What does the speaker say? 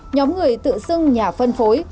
nhóm người tự xưng nhà phân phối